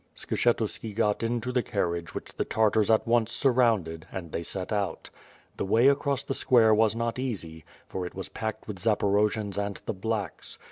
Skshetuski got into the carriage which the Tartars at once surrounded and they set out. The way across t'he square was not easy, for it was packed with Zaporojians and the "blacks."